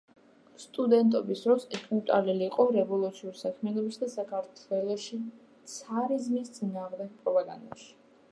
სტუდენტობის დროს ეჭვმიტანილი იყო რევოლუციურ საქმიანობაში და საქართველოში ცარიზმის წინააღმდეგ პროპაგანდაში.